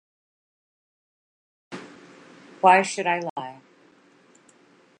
Why should I lie?